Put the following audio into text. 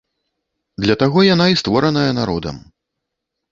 Для таго яна і створаная народам.